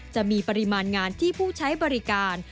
จะมีปริมาณงานที่ผู้ใช้บริการ